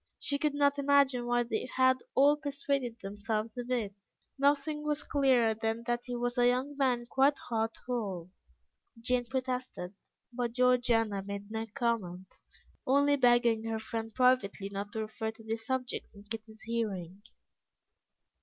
She could not imagine why they had all persuaded themselves of it. Nothing was clearer than that he was a young man quite heart whole. Jane protested, but Georgiana made no comment, only begging her friend privately not to refer to the subject in Kitty's hearing.